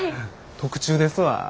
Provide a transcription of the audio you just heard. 特注ですわ。